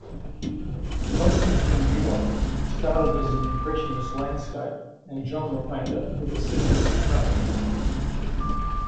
Konstantin Yuon started as an Impressionist landscape and genre painter with a Symbolist note.